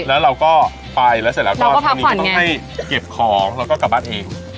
แล้วเราก็ไปแล้วเสร็จแล้วก็ทางนี้ก็ต้องให้เก็บของแล้วก็กลับบ้านเอง